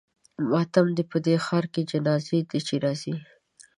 ماتم دی په دې ښار کې جنازې دي چې راځي.